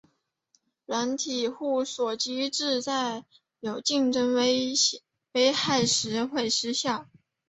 软体互锁机制在有竞争危害时会失效。